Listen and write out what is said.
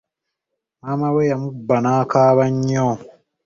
Maama we yamukuba n'akaaba nnyo.